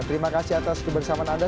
terima kasih atas kebersamaan anda